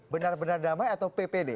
benar benar damai atau ppd